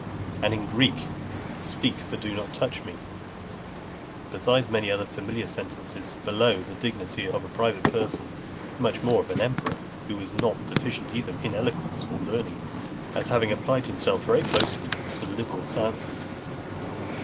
And in Greek lalei kai mae thingane, "Speak, but do not touch me;" besides many other familiar sentences, below the dignity of a private person, much more of an emperor, who was not deficient either in eloquence or learning, as having applied himself very closely to the liberal sciences.